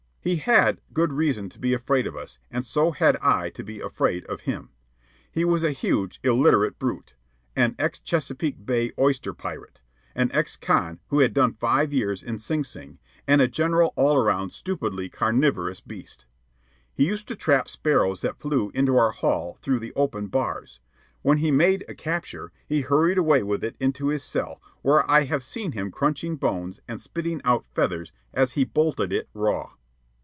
He had good reason to be afraid of us, and so had I to be afraid of him. He was a huge, illiterate brute, an ex Chesapeake Bay oyster pirate, an "ex con" who had done five years in Sing Sing, and a general all around stupidly carnivorous beast. He used to trap sparrows that flew into our hall through the open bars. When he made a capture, he hurried away with it into his cell, where I have seen him crunching bones and spitting out feathers as he bolted it raw.